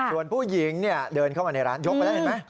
ส่วนผู้หญิงเดินเข้ามาในร้านยกไปแล้วเห็นไหม